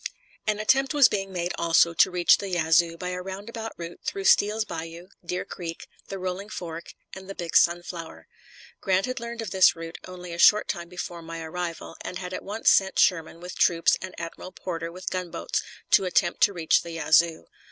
An attempt was being made also to reach the Yazoo by a roundabout route through Steele's Bayou, Deer Creek, the Rolling Fork, and the Big Sunflower. Grant had learned of this route only a short time before my arrival, and had at once sent Sherman with troops and Admiral Porter with gunboats to attempt to reach the Yazoo.